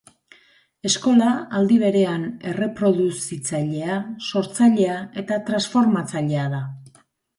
Eskola, aldi berean erreproduzitzailea, sortzailea eta transformatzailea da.